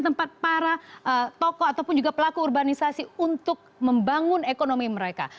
tempat para tokoh ataupun juga pelaku urbanisasi untuk membangun ekonomi mereka